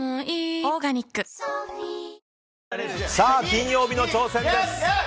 金曜日の挑戦です。